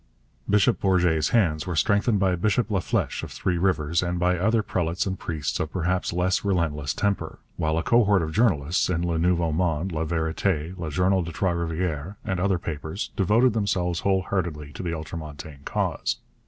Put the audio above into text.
Bishop Bourget's hands were strengthened by Bishop Laflèche of Three Rivers, and by other prelates and priests of perhaps less relentless temper; while a cohort of journalists, in Le Nouveau Monde, La Vérité, Le Journal de Trois Rivières, and other papers, devoted themselves whole heartedly to the ultramontane cause.